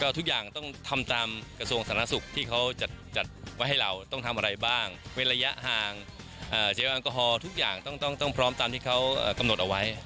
ทุกอย่างต้องทำตามกระทรวงสาธารณสุขที่เขาจัดไว้ให้เราต้องทำอะไรบ้างเว้นระยะห่างเจลแอลกอฮอลทุกอย่างต้องพร้อมตามที่เขากำหนดเอาไว้